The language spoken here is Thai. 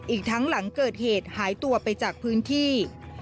อีกทั้งหลังเกิดเหตุหายตัวไปจากพื้นที่